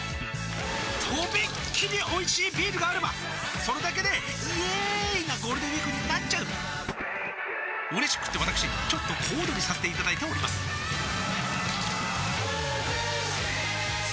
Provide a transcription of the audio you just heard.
とびっきりおいしいビールがあればそれだけでイエーーーーーイなゴールデンウィークになっちゃううれしくってわたくしちょっと小躍りさせていただいておりますさあ